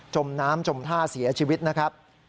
มน้ำจมท่าเสียชีวิตนะครับ